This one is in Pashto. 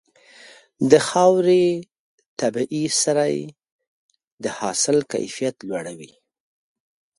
د خاورې طبيعي سرې د حاصل کیفیت لوړوي.